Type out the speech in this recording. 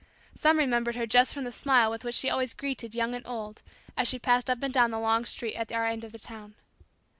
Some remembered her just from the smile with which she always greeted young and old as she passed up and down the long street at our end of the town.